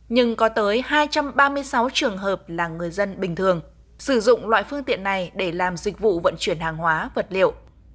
nhưng có tới hai trăm ba mươi sáu trường hợp là người dân bình thường sử dụng loại phương tiện này để làm dịch vụ vận chuyển hàng hóa vật liệu